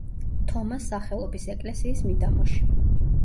თომას სახელობის ეკლესიის მიდამოში.